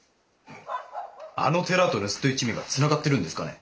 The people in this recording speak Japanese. あの寺と盗っ人一味がつながってるんですかね。